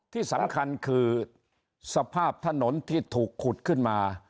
ที่สำคัญคือสภาพถนนที่ถูกขุดขึ้นมา